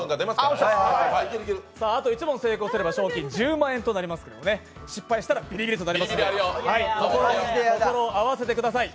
あと１問成功すれば賞金１０万円となりますけど失敗したらビリビリとなりますので、心を合わせてください。